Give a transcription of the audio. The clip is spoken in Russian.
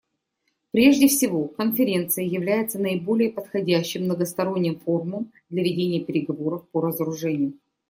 Прежде всего, Конференция является наиболее подходящим многосторонним форумом для ведения переговоров по разоружению.